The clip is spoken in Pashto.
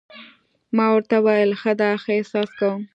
ما ورته وویل: ښه ده، ښه احساس کوم.